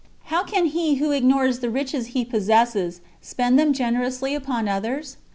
How can he who ignores the riches he possesses, spend them generously upon others?"